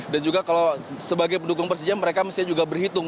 dan juga kalau sebagai pendukung persediaan mereka mesti juga berhitung